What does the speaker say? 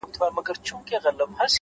نور خپلي ويني ته شعرونه ليكو،